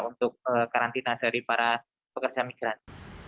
untuk karantina dari para pekerja migran